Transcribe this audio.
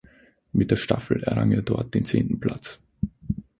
Mit der Staffel errang er dort den zehnten Platz.